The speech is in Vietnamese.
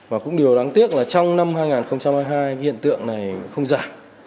và cũng điều đáng tiếc là trong năm hai nghìn hai mươi hai hiện tượng này không giảm